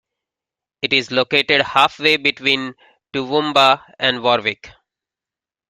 It is located halfway between Toowoomba and Warwick.